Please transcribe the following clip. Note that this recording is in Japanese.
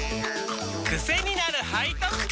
クセになる背徳感！